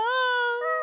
うん。